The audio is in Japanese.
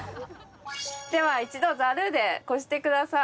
では一度ザルでこしてください。